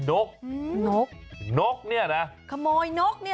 นั่นขั๊วนี่นู้นมีหมดเลย